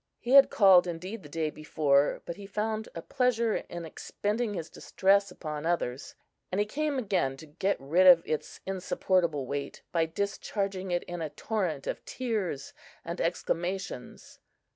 He had called, indeed, the day before, but he found a pleasure in expending his distress upon others, and he came again to get rid of its insupportable weight by discharging it in a torrent of tears and exclamations.